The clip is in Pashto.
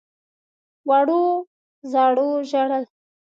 وړو _زړو ژړل.